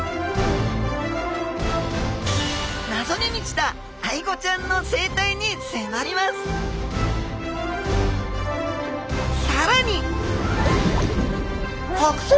なぞに満ちたアイゴちゃんの生態にせまりますさらに！